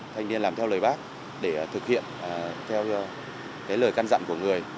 thành niên làm theo lời bác để thực hiện theo lời cân dặn của người